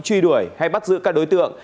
truy đuổi hay bắt giữ các đối tượng